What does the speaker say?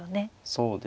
そうですね。